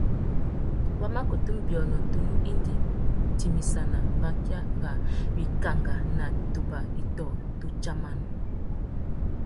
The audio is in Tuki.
Wa má kutu nʼbiônô tunu indi timissana mbakia râ wikangá nà tubà itô tudjaman.